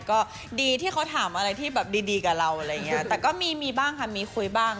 ก็ดีที่เขาถามอะไรที่แบบดีดีกับเราอะไรอย่างเงี้ยแต่ก็มีมีบ้างค่ะมีคุยบ้าง